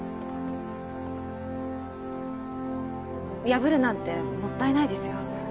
破るなんてもったいないですよ。